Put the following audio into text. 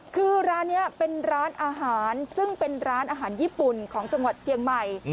คือร้านนี้เป็นร้านอาหารซึ่งเป็นร้านอาหารญี่ปุ่นของจังหวัดเชียงใหม่